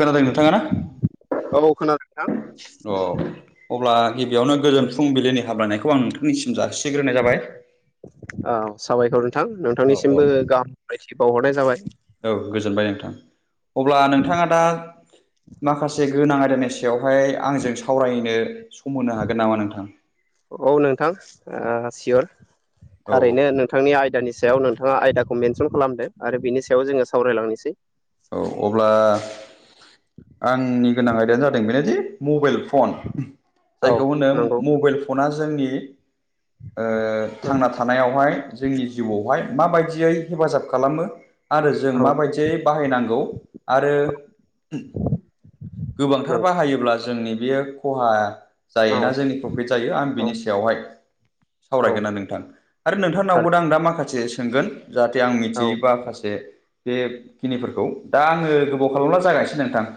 खोनादों नोंथाङा ना? औ खोनादों नोंथां। अ अब्ला गिबियावनो गोजोन फुंबिलिनि हाबलायनायखौ आं नोंथांनिसिम जासिग्रोनाय जाबाय। ओ साबायखर नोंथां नोंथांनिसिमबो गाहाम हामायथि बावहरनाय जाबाय। औ गोजोनबाय नोंथां अब्ला नोंथाङा दा माखासे गोनां आयदानि सि बेवहाय आंजों सावरायनो होनो हागोन नामा नोंथां औ नोंथां ओ सियर औ थारैनो नों नोंथांनि आयदानि सायाव नोंथाङा आयदाखौ मेनसन खालामदो आरो बिनि सायाव जोङो सावरायलांनोसै। औ अब्ला आंनि गोनां आयदायानो जादों बिनोदि मबेल फन। औ जायखौ होनो नंगौ मबेल फना जोंनि ओ थांना थानायावहाय जोंनि जिउआवहाय माबायदियै हेफाजाब खालामो आरो जों औ माबायदियै बाहायनांगौ आरो गोबांथार नंगौ बाहायोब्ला जोंनि बेयो खहा औ जायोना जोंनि प्र फित जायो आं औ बिनि सायावहाय औ सावरायगोनना नोंथां आरो थारै नोंथांनावबो दा आं दा माखासे सोंगोन। जाहाथे आं औ मिथियै बाखासे बे खिनिफोरखौ दा आङो गोबाव खालामला जागायसै नोंथां।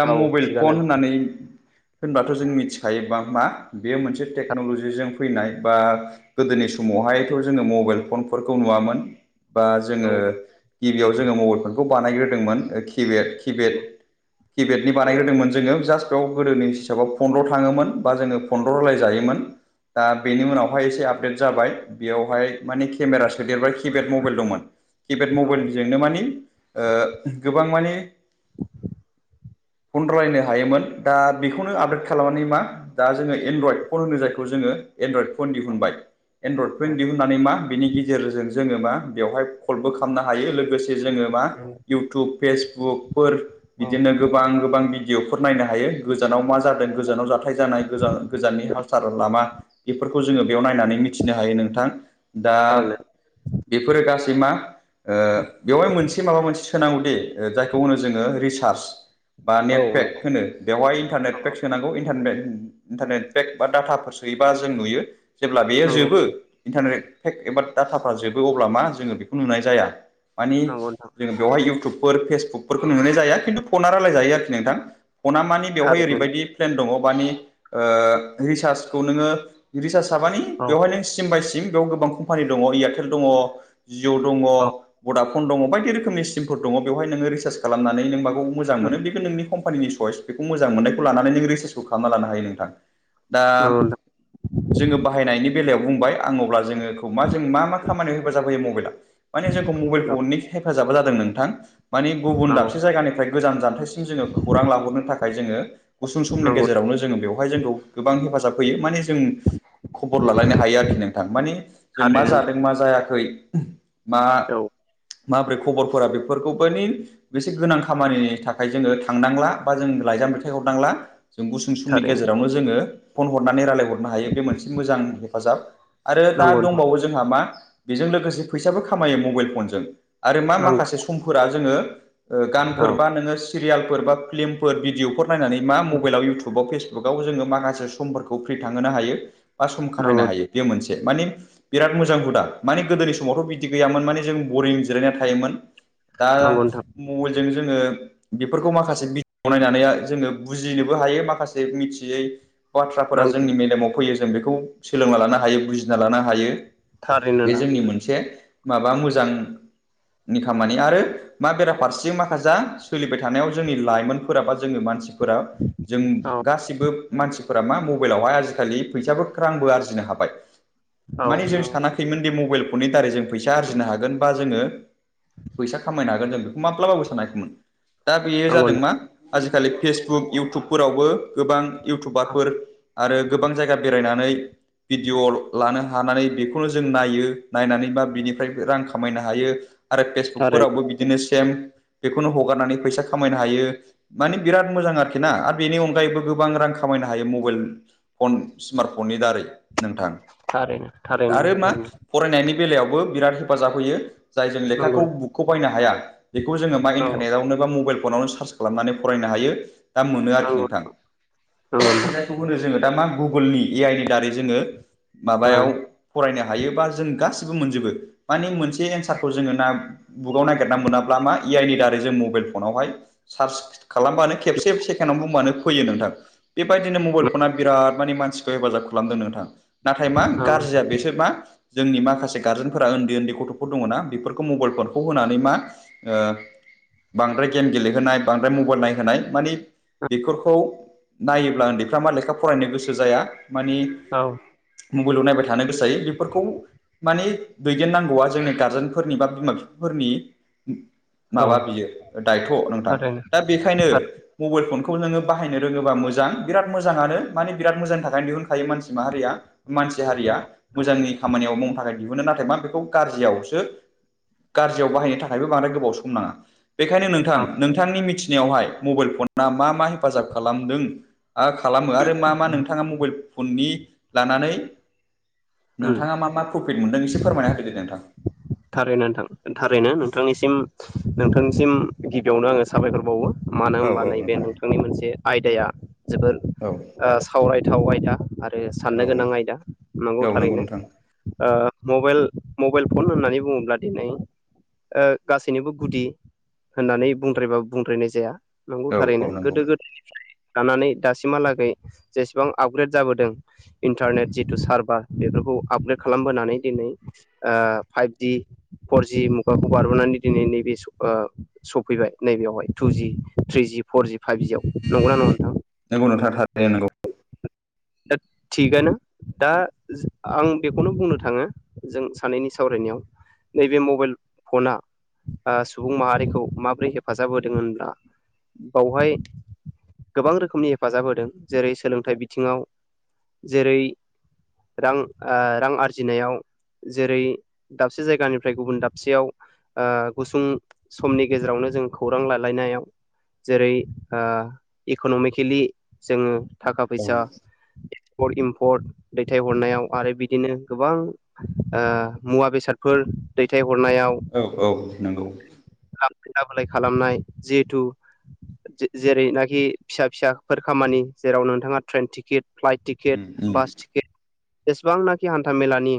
दा औ मबेल थिगानो फन नोंथां होननानै होनबाथ' जों मिथिखायो बां मा बेयो मोनसे टेक्न'लजिजों फैनाय बा गोदोनि समावहायथ' जोङो मबेल फनफोरखौ नुवामोन। बा जोङो नंगौ गिबियाव जोङो मबाइल फनखौ बानायग्रोदोंमोन केबियार खि किपेद बेनो किपेडनि नंगौ बानायग्रदोंमोन जोङो जास्टा सि गाव गोदोनि हिसाबाव फन्द्र' थाङोमोन बा जोङो फन्द्र' रायलाय जायोमोन। दा बेनि नंगौ उनावहाय दा [unintelligible] जाबाय बेयावहाय माने केमेरा सोदेरबाय किपेड मबाइल दंमोन किपेड औ मबाइलनि नों माने गोबां माने फन रायलायनो नंगौ हायोमोन। दा बेखौनो आपडेट खालामनानै मा दा जोङो एनड्रइद फन होनो जायखौ जोङो। इनद्रयद फन औ दिहुनबाय दिहुननानै बेनि गेजेरजों जोङो जोङो मा बेवहाय कलबो खालामनो हायो लोगोसे जोङो मा औ इउटुब फेसबुक फोर औ बिदिनो गोबां गोबां भिडिअफोर नायनो हायो गोजानाव मा जादों गोजानाव जाथाय जानाय गोजान गोजाननि हाल साला लामा बेफोरखौ जोङो बेयाव नायनानै मिथिनो हायो नोंथां। दा थारैनो बेफोरो गासै मा ओ बेवहाय मोनसे माबा मोनसे सोनांगौ दे जायखौ होनो जोङो रिसार्च बा औ नेटपेक नंगौ होनो बेवहाय इन्टारनेट पेक सोनांगौ इन्टारनेट इन्टारनेट पेक बा डाटाफोर सोयोबा जों नुयो जेब्ला बेयो नंगौ जोबो इन्टारनेट पेक एबा डाटाफ्रा जोबो अब्ला मा जोङो बेखौ नुनाय जाया मानि नंगौ नोंथां जों बेयावहाय इउटुबफोर फेसबुकफोरखौ नुनाय जाया खिन्थु फना रायलाय जायो आरोखि नोंथां फना मानि बेयावहाय थारैनो ओरैबायदि प्लेन दङ माने रिसार्चखौ नोङो रिसार्सआ माने औ बेवहाय सिम बाय सिम बेयाव गोबां कम्पानि दङ एयारटेल दङ, जिअ दङ औ बडाफन दङ बायदि रोखोमनि सिमफोर दङ बेवहाय नोङो रिसार्च खालामनानै नों माखौ मोजां नंगौ मोनो बेखौ नोंनि कम [unintelligible] बेखौ मोजां मोननायखौ लानानै रिसार्सखौ खालामना लानो हायो नोंथां दा नोंथां जोङो बाहायनायनि बेलायाव बुंबाय आं अब्ला जोङोखौ मा जों मा मा खामानियाव हेफाजाब होयो मबाइला [unintelligible] मबाइलखौ अनेक हेफाजाबा जादों नोंथां माने गुबुन नंगौ दाबसे जायगानि फ्राय गोजान जानथायसिम जोङो खौरां लाहरनो थाखाय जोङो गुसुं समनि नंगौ गेजेरावनो जोङो बेवहाय जों गोबां हेफाजाब होयो माने जों खबर लालायनो हायो आरोखि नोंथां मानि जों मा थारैनो जादों मा जायाखै मा औ माबोरै खबरफोरा बेफोरखौबो माने बेसे गोनां खामानिनि थाखाय जोङो थांनांला बा जों लाइजाम दैथाइ हरनांला जों गुसु समनि थारैनो गेजेरावनो जोङो फन हरनानै रायजलायहरनो हायो बे मोनसे मोजां हेफाजाब। आरो दा नंगौ नोंथां दंबावो जोंहा मा बेजों लोगोसे फैसाबो खामायो मबाइल फनजों। आरो मा नंगौ माखासे समफोरा जोङो ओ औ गानफोर बा नोङो सिरियालफोर बा फिल्मफोर भिडिअफोर नायनानै मा मबाइलाव इउटुबाव फेस आव जोङो माखासे समफोरखौ फ्रि थांहोनो हायो बा सम खाथायनो नंगौ हायो बेयो मोनसे माने बिराद मोजां हुदा माने गोदोनि समावथ' बिदि गैयामोन माने जों बरिं जिरायना थायोमोन। दा नंगौ नोंथां मबाइलजों जोङो बेफोरखौ माखासे [unintelligible] जोङो बुजिनोबो हायो माखासे मिथियै बाथ्राफोरा नंगौ जोंनि मेेलेमाव फैयो जों बेखौ सोलोंना लानो हायो बुंथिना लानो हायो। थारैनो बे जोंनि नोंथां मोनसे माबा मोजां नि खामानि आरो मा बेराफारसे माखाजा सोलिबाय थानायाव जोंनि लाइमोनफोराबा जोङो मानसि फोराव जों औ गासिखोबो मानसिफोरा मा मबाइलावहाय आजिखालि फैसाबो रांबो आरजिनो हाबाय औ माने जों नंगौ साना मोननि दि बे मबाइल फननि दारै जों फैसा आरजिनो हागोन। बा जोङो फैसा खामायनो हागोन जों बेखौ माब्लाबाबो सानाखैमोन दा बेयो नंगौ जादों मा आजिखालि फेसबुक इउटुबफोरावबो गोबां नोंथां इउटुबारफोर आरो गोबां जायगा बेर रायनानै भिडिअ लानो हानानै बेखौनो जों नायो नायनानै बा बिनिफ्रायबो रां खामायनो हायो आरो थारैनो फेसबुकफोरावबो बि दिनो सेम बेखौनो हगारनानै फैसा खामायनो हायो। माने बिराद मोजां आरोखि ना आरो बेनि अनगायैबो गोबां रां खामायनो हायो मबाइल। फन स्मार्टफननि दारै नोंथां। थारैनो थारैनो आरो नोंथां मा थारैनो फरायनायनि बेलायावबो बिराद हेफाजाब होयो। जाय जों नंगौ लेखाखौ बुकखौ बायनो हाया बेखौ जोंङो मा नंगौ इन्टारनेटआवनो बा मबाइल फनावनो सार्च खालामनानै फरायनो हायो दा मोनो आरोखि नंगौ नोंथां। नंगौ नोंथां खौ होनो जोंङो दा मा गुगोलनि ए आइ नि दारै जोंङो ओ माबायाव फरायनो हायोबा जों गासिबो मोनजोबो माने मोनसे एन्सारखौ जोंङो ना बुकाव नागिरना मोनाब्ला मा इ आइ नि दारै जों मबाइल फनावहाय सार्च खालामबानो सेकेणडनो फैयो नोंथां। बेबायदिनो मबाइल फना बिराद माने मानसिखौ हेफाजाब खालामदों नोंथां। नाथाय मा नंगौ गाज्रिया बेस मा जोंनि माखासे गारजेनफोरा उन्दै उन्दै गथ' दङ ना बेफोरखौ मबाइलफोरखौ होनानै मा ओ बांद्राय गेम गेलेहोनाय बांद्राय मबाइल नायहोनाय मानि बेफोरखौ नायोब्ला उन्दैफ्रा मा लेखा फरायनो गोसो जाया मानि औ मबाइलाव नायबाय थानो गोसोायो बेफोरखौ मानि दैदेननांगौआ जोंनि गारजेनफोरनि बा बिमा बिफाफोरनि औ माबा बेयो दायथ' नोंथां थारैनो दा बेखायनो थारैनो मबाइल फनखौ नोंङो बाहायनो रोङोबा मोजां बिराद मोजाङानो माने बिराद मोजांनि थाखाय दिहुनखायो मानसि माहारिया मानसि हारिया मोजांनि खामानियाव मावनो थाखाय दिहुनो नाथाय मा बेखौ गाज्रियाव सो गाज्रियाव बाहायनो थाखायबो बांद्राय गोबाव सम नांडा बेखायनो नोंथां औ नोंथांनि मिथिनायावहाय मबाइल मा हेफाजाब खालामदों? आ खालामो आरो मा मा नोंथाङा मबाइल फननि लानानै उम नोंथाङा मा मा प्रफिट मोन्दों एसे फोरमायना होफोदो दे नोंथां थारैनो नोंथां थारैनो नोंथांनिसिम नोंथांनिसिम गिबियावनो आङो साबायखर बावो। मानो औ होनबा औ नैबे नोंथां नोंथांनि मोनसे आयदाया जोबोर औ सावरायथाव आयदा आरो साननो औ गोनां औ आमदा नोंगौ नंगौ थारैनो नोंथां मबाइल मबाइल फन होननानै बुङोब्ला दिनै ओ गासैनोबो गुदि होननानै बुंद्रायबो बुंद्रायनाय जाया नंगौ औ थारैनो औ नंगौ गोदो गोद लानानै दासिमहालागै जेसेबां आपग्रेड जाबोदों इन्टारनेट जिथु सारभार बेफोरखौ आपग्रेड खालामबोनानै दिनै ओ फाइभ दि फर जि मुगाखौ बारबोनानै दिनै नैबे सफैबाय नैबेयावहाय थुजि थ्रिजि फरजि फाइभजियाव नंगौना नङा नोंथां? नंगौ नोंथां थारैनो नंगौ दा थिगानो दा आं बेखौनो बुंनो थाङो जों सानैनि सावरायनायाव नैबे मबाइल फना ओ सुबुं माहारिखौ माब्रै हेफाजाब होदों होनब्ला बावहाय गोबां रोखोमनि हेफाजाब होदों जेरै सोलोंथाइ बिथिङाव जेरै रां ओ रां आरजिनायाव जेरै दाबसे जायगानिफ्राय गुबुन दाबसेयाव ओ गुसुं समनि गेजेरावनो जों खौरां लालायनायाव जेरै ओ इक'न'मिकेलि जोङो थाखा औ फैसा पर्ट इमपर्ट दैथायहरनायाव आरो बिदिनो गोबां ओ मुवा बेसाद बेसादफोर दैथायहरनायाव औ औ नोंगौ [unintelligible] खालामनाय जिहेथु जेरैनाखि फिसा फिसाफोर खामानि जेराव नोंथाङा ट्रेन टिकिट फ्लाइट टि टिके उम उम बास टिकिट जेसेबांनाखि हान्थामेलानि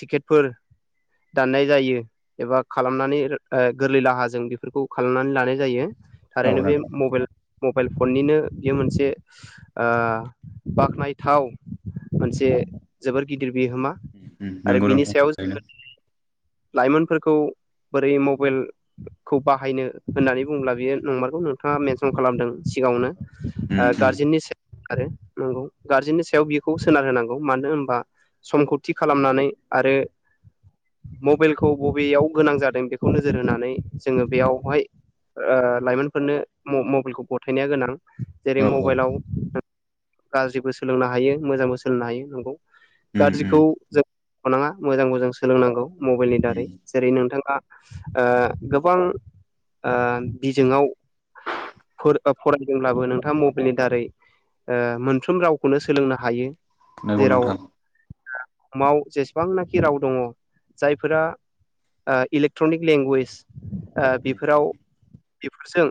टिकिटफोर दाननाय जायो एबा खालामनानै ओ गोरलै लाहाजों बेफोरखौ खालामनानै लानाय जायो औ थारैनो बे नोंथां मबेल मबाइल फननिनो बियो मोनसे आ बाख्नायथाव मोनसे जोबोर गिदिर बिहोमा उम आरो नंगौ बिनि नोंथां सायाव थारैनो [unintelligible] लाइमोनफोरखौ बोरै मबेल खौ बाहायनो होननानै बुङोब्ला बेयो नंमारखौ नोंथाङा मेनसन खालामदों सिगाङावनो उम आ उम गार्जेननि सायाव आरो नंगौ गार्जेननि सायाव बेखौ सोनारहोनांगौ मानो होनबा समखौ थि खालामनानै आरो मबेलखौ बबेयाव गोनां जादों बेखौ नोजोर होनानै जोङो बेयावहाय ओ लाइमोनफोरनो म-मबेलखौ गथायनो गोनां जेरै औ औ मबाइलाव गाज्रिबो सोलोंनो हायो मोजांबो सोलोंनो हायो नंगौ उम उम गाज्रिखौ जोंङो [inaudible] मोजांबो जों सोलोंनांगौ मबाइलनि दारै उम जेरै नोंथाङा ओ गोबां ओ बिजोङाव फोर फरायदोंब्लाबो नोंथाङा मबेलनि दारै ओ मोनफ्रोम रावखौनो सोलोंनो हायो नंगौ जेराव नोंथां बुहुमाव जेसेबांनाखि राव दङ जायफोरा आ इलेक्ट्र'निक लेंगुवेज आ बेफोराव बेफोरजों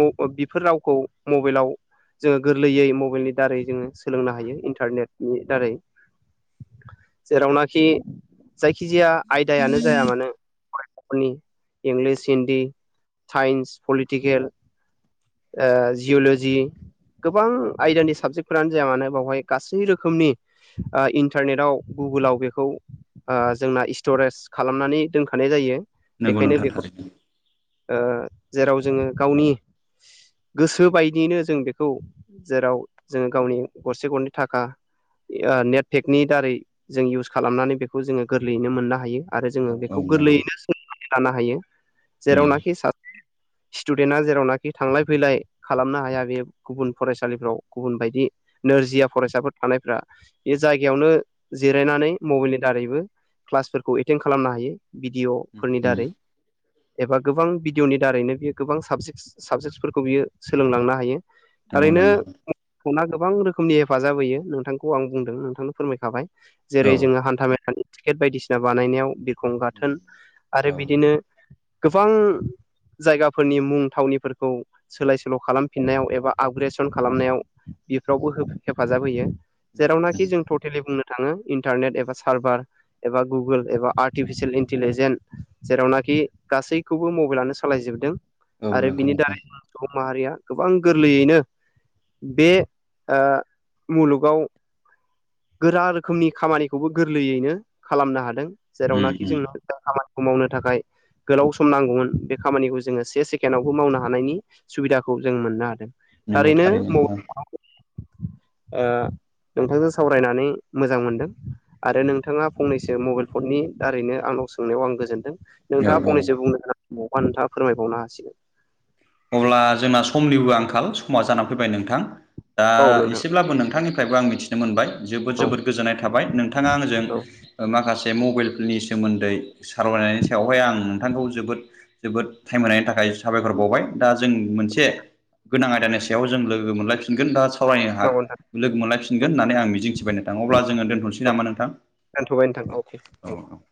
म बेफोर रावखौ मबेलाव जोङो गोरलैयै मबाइलनि दारै जोङो सोलोंनो हायो इन्टारनेटनि दारै जेरावनाखि जायखिजाया आयदायानो जाया मानो फरायसाफोरनि इंलिस हिन्दी साइन्स पलिटिकेल आ जिय'ल'जि गोबां आयदानि साबजेक्टफोरानो जाया मानो बावहाय गासै रोखोमनि आ इन्टारनेटआव गुगुलाव बेखौ आ जोंना स्टरेज खालामनानै दोनखानाय जायो नोंगौ बेखायनो नोंथां बेखौ थारैनो ओ जेराव जोङो गावनि गोसो बायदियैनो जों बेखौ जेराव जोङो गावनि गरसे गरनै थाखा ओ नेटफेकनि दारै जों इउस खालामनानै बेखौ जोङो गोरलैयैनो मोननो हायो आरो औ जोङो औ बेखौ नंगौ गोरलैयैनो सोलोंनानै लानो हायो उम जेरावनाखि सा [inaudible] स्टुडेन्टआ जेरावनाखि थांलाय फैलाय खालामनो हाया बे गुबुन फरायसालिफ्राव गुबुन बायदि नोरजिया फरायसाफोर थानायफ्रा बे जायगायावनो जिरायनानै मबाइलनि दारैबो क्लासफोरखौ एटेन्ड खालामनो हायो भिडियफोरनि उम दारै एबा गोबां भिडियनि दारैनो बियो गोबां साबजेक्ट्स साबजेक्ट्सफोरखौ बियो सोलोंलांनो हायो नंगौ थारैनो नंगौ म फना गोबां रोखोमनि हेफाजाब होयो नोंथांखौ आं बुंदों नोंथांनो फोरमायखाबाय औ जेरै जोङो हान्था मेलानि टिकेट बायदिसिना बानायनायाव बिखं गाथोन औ आरो बिदिनो गोबां जायगाफोरनि मुं थावनिफोरखौ सोलाय सोल' खालामफिननायाव एबा आपग्रेसन खालामनायाव बेफ्रावबो हेफाजाब होयो उम जेरावनाखि जों टटेलि बुंनो थाङो इन्टारनेट एबा सार्भार एबा गुगोल एबा आर्टिफिसियेल इन्टिलिजेन जेरावनाखि गासैखौबो मबाइलानो सालायजोबदों औ आरो नंगौ बिनि नोंथां दारैबो सुबुं माहारिया गोबां गोरलैयैनो बे आ मुलुगाव गोरा रोखोमनि खामानिखौबो गोरलैयैनो खालामनो हादों उम जेरावनाखि उम जोंनो दा खामानिखौ मावनो थाखाय गोलाव सम नांगौमोन बे खामानिखौ जोङो से सेकेण्डआवबो मावनो हानायनि सुबिदाखौ जों मोननो हादों। नंगौ थारैनो नोंथां [unintelligible] नोंथांजों सावरायनानै मोजां मोनदों आरो उम नोंथाङा फंनैसो मबाइल फननि दारैनो आंनाव सोंनायाव आं गोजोनदों। औ नोंथाङा औ फंनैसो नोंथाङा फोरमायबावनो हासिगोन। अब्ला जोंना समनिबो आंखाल समा जानानै फैबाय नोंथां दा औ नोंथां एसेब्लाबो नोंथांनि थाखायबो आं मिथिनो मोनबाय जोबोद औ जोबोद गोजोननाय थाबाय नोंथाङा आंजों औ माखासे मबाइलफोरनि सोमोन्दै सावरायनायनि सायावहाय आं नोंथांखौ जोबोद जोबोद टाइम होनायनि थाखाय साबायखर बावबाय। दा जों मोनसे गोनां आयदानि सायाव जों लोगो मोनलायफिनगोन दा सावरायनो हा नंगौ नोंथां लोगो मोनलायफिनगोन होननानै आं मिजिंथिबाय अब्ला जोङो दोनथ'स सै नामा नोंथां दोनथ'बाय नोंथां अके थेंक इउ औ औ